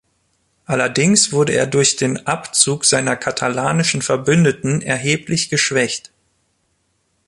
Allerdings wurde er durch den Abzug seiner katalanischen Verbündeten erheblich geschwächt.